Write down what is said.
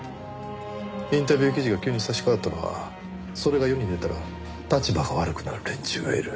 インタビュー記事が急に差し替わったのはそれが世に出たら立場が悪くなる連中がいる。